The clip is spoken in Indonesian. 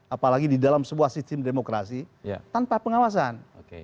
apalagi di dalam sebuah sistem demokrasi tanpa pengawasan